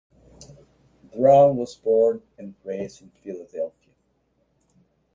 Brown was born and raised in Philadelphia.